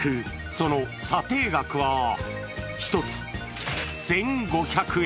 その査定額は１つ１５００円。